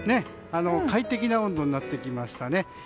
快適な温度になってきましたね。